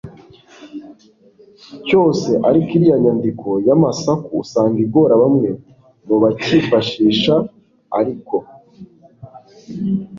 cyose ariko iriya nyandiko y'amasaku usanga igora bamwe mu bakifashisha. ariko